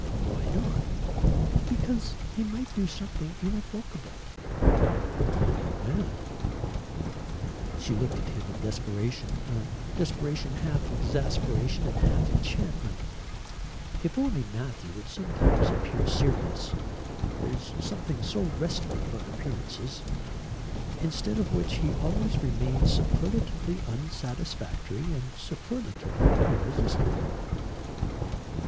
"Why not?" "Because he might do something irrevocable." "Lucky man." She looked at him in desperation a desperation half exasperation and half enchantment. If only Matthew would sometimes appear serious there is something so restful about appearances. Instead of which he always remained superlatively unsatisfactory and superlatively irresistible.